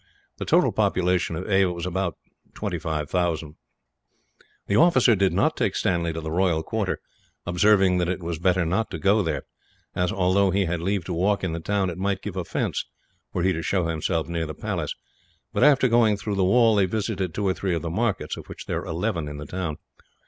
The total population of Ava was but 25,000. The officer did not take Stanley to the royal quarter, observing that it was better not to go there as, although he had leave to walk in the town, it might give offence were he to show himself near the palace; but after going through the wall, they visited two or three of the markets, of which there were eleven in the town.